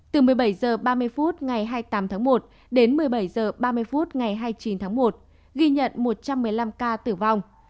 từ một mươi bảy h ba mươi phút ngày hai mươi tám tháng một đến một mươi bảy h ba mươi phút ngày hai mươi chín tháng một ghi nhận một trăm một mươi năm ca tử vong